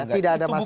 tidak ada masalah